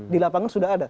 di lapangan sudah ada